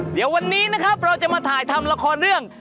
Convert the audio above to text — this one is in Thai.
เดี๋ยววันนี้นะครับเราจะมาถ่ายทำละครเรื่อง